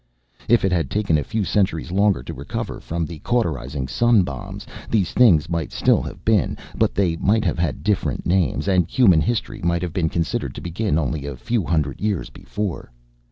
If it had taken a few centuries longer to recover from the cauterizing sun bombs, these things might still have been. But they might have had different names, and human history might have been considered to begin only a few hundred years before.